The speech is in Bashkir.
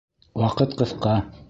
Ваҡыт ҡыҫа!